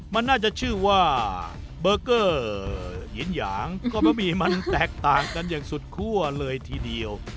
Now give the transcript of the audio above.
มันน่าจะชื่อว่าเบอร์เกอร์เหยียนหยางก็บะหมี่มันแตกต่างกันอย่างสุดคั่วเลยทีเดียว